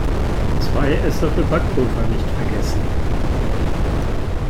Zwei Esslöffel Backpulver nicht vergessen.